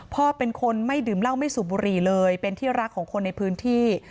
พ่อเป็นคนไม่ดื่มเหล้าไม่สูบบุหรี่เลยเป็นที่รักของคนในพื้นที่